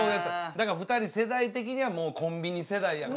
だから２人世代的にはコンビニ世代やからね。